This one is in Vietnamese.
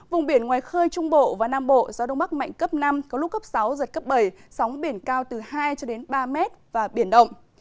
vùng biển ngoài khơi trung bộ và nam bộ gió đông bắc mạnh cấp năm có lúc cấp sáu giật cấp bảy sóng biển cao từ hai cho đến ba mét và biển động